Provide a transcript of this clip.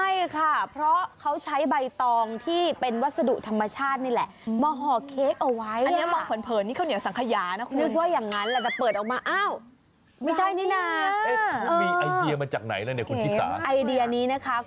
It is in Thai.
ใช่ค่ะเพราะเขาใช้ใบตองที่เป็นวัสดุธรรมชาตินี่แหละ